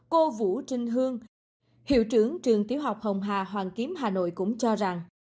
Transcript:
cô vũ trinh hương hiệu trưởng trường tiếu học hồng hà hoàng kiếm hà nội cũng cho rằng